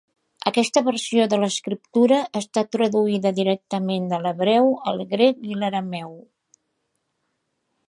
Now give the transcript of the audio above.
Aquesta versió de l'escriptura està traduïda directament de l'hebreu, el grec i l'arameu.